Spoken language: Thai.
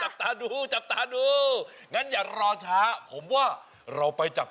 เอ้าในเมื่อถ้าพร้อมแล้วเราก็อย่ารอชักโกยกันเลยจ้า